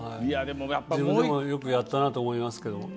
自分でもよくやったなと思いますけど。